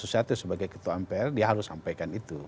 seorang bama susatyo sebagai ketua mpr dia harus sampaikan itu